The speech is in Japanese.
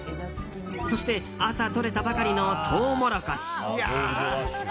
そして、朝採れたばかりのトウモロコシ。